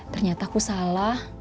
ternyata aku salah